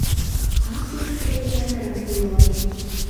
Август эр ятырак юалге.